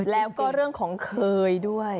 แล้วก็เรื่องของเคยด้วย